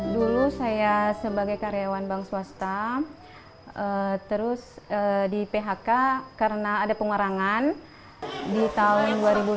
dulu saya sebagai karyawan bank swasta terus di phk karena ada pengurangan di tahun dua ribu enam belas